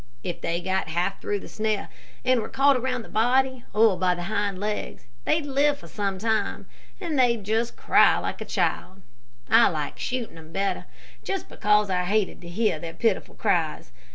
If they got half through the snare and were caught around the body, or by the hind legs, they'd live for some time, and they'd cry just like a child. I like shooting them better, just because I hated to hear their pitiful cries.